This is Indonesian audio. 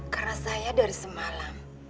karena saya dari semalam